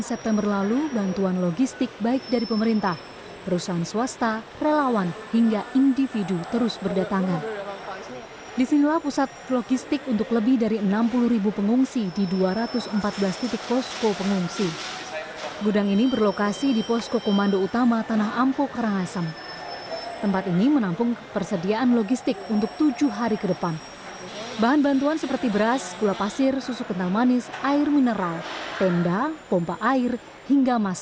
ini wajib diberdayakan dan diedukasi